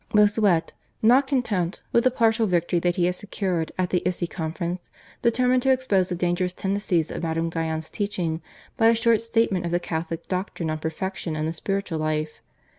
Bossuet, not content with the partial victory that he had secured at the Issy conference, determined to expose the dangerous tendencies of Madame Guyon's teaching by a short statement of the Catholic doctrine on perfection and the spiritual life.